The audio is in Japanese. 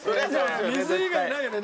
水以外ないよね。